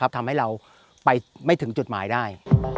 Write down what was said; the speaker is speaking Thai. ทำให้เราไปไม่ถึงจุดหมายได้